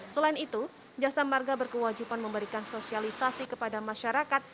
selain itu jasa marga berkewajiban memberikan sosialisasi kepada masyarakat